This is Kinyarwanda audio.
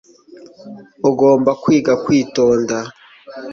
ugomba kwiga kwitonda